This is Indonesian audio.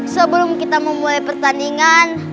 sebelum kita memulai pertandingan